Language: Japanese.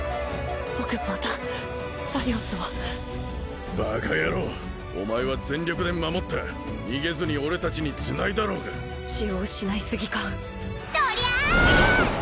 僕またライオスをバカ野郎お前は全力で守った逃げずに俺達につないだろうが血を失いすぎかとりゃあ！